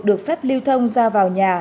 được phép lưu thông ra vào nhà